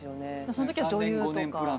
そのときは女優とか。